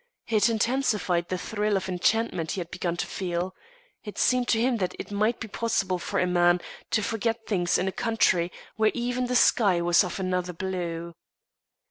It intensified the thrill of enchantment he had begun to feel. It seemed to him that it might be possible for a man to forget things in a country where even the sky was of another blue.